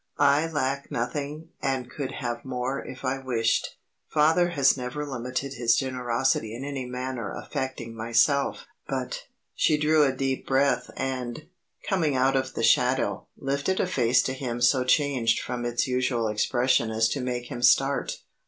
I lack nothing and could have more if I wished. Father has never limited his generosity in any matter affecting myself, but " She drew a deep breath and, coming out of the shadow, lifted a face to him so changed from its usual expression as to make him start.